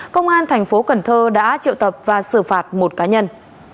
công an tp cn đã triệu tập và xử phạt một cá nhân